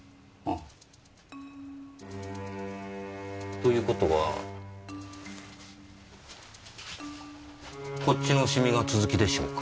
という事はこっちの染みが続きでしょうか？